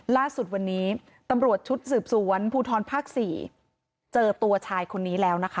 ล่าสุดวันนี้ตำรวจชุดสืบสวนภูทรภาค๔เจอตัวชายคนนี้แล้วนะคะ